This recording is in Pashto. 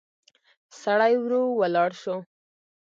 سړی ورو ولاړ شو.